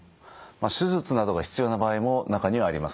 手術などが必要な場合も中にはあります。